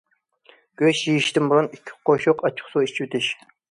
گۆش يېيىشتىن بۇرۇن ئىككى قوشۇق ئاچچىقسۇ ئىچىۋېتىش.